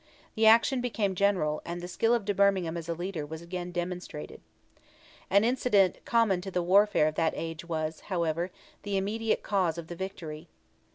The action became general, and the skill of de Bermingham as a leader was again demonstrated. An incident common to the warfare of that age was, however, the immediate cause of the victory.